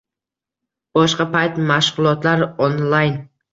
Boshqa payt mashg‘ulotlar onlayn.